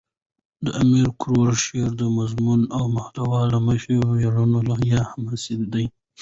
د امیر کروړ شعر دمضمون او محتوا له مخه ویاړنه یا حماسه ده.